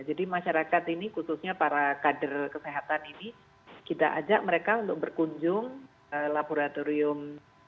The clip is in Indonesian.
jadi masyarakat ini khususnya para kader kesehatan ini kita ajak mereka untuk berkunjung ke laboratorium tiga